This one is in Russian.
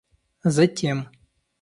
затем